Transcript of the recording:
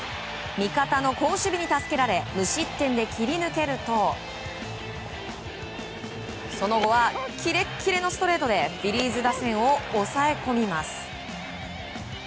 味方の好守備に助けられ無失点で切り抜けるとその後はキレッキレのストレートでフィリーズ打線を抑え込みます。